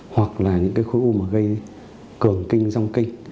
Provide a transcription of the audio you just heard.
hoặc là những cái khối u mà gây cường kinh dòng kinh